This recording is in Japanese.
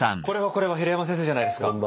これはこれは平山先生じゃないですか。